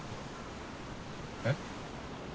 えっ？